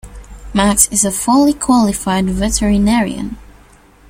Max is a fully qualified veterinarian.